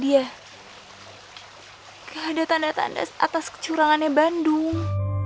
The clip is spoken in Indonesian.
ada tanda tanda atas kecurangannya bandung